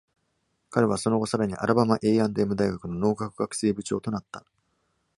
彼はその後さらにアラバマ A&M 大学の農学学生部長となった。